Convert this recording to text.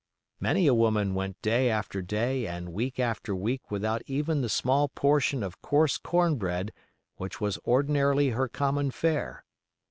Many a woman went day after day and week after week without even the small portion of coarse corn bread which was ordinarily her common fare.